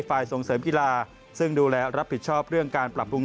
ส่งเสริมกีฬาซึ่งดูแลรับผิดชอบเรื่องการปรับปรุง